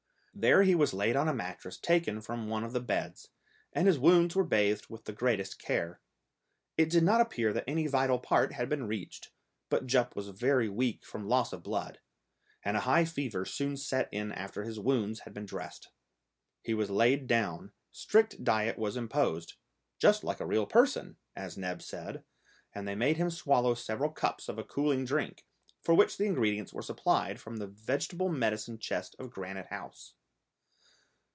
There he was laid on a mattress taken from one of the beds, and his wounds were bathed with the greatest care. It did not appear that any vital part had been reached, but Jup was very weak from loss of blood, and a high fever soon set in after his wounds had been dressed. He was laid down, strict diet was imposed, "just like a real person," as Neb said, and they made him swallow several cups of a cooling drink, for which the ingredients were supplied from the vegetable medicine chest of Granite House.